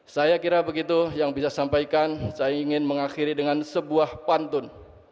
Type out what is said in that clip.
saya kira begitu yang bisa sampaikan saya ingin mengakhiri dengan sebuah pantun